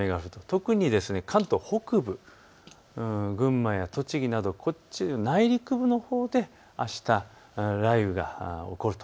特に関東北部、群馬や栃木など内陸部のほうであした雷雨が起こると。